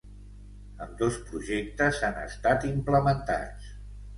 Ambdós projectes han estat implementats.